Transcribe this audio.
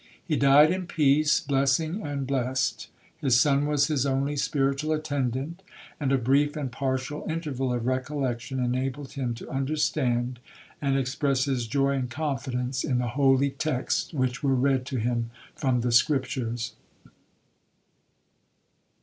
He died in peace, blessing and blessed. His son was his only spiritual attendant, and a brief and partial interval of recollection enabled him to understand and express his joy and confidence in the holy texts which were read to him from the scriptures.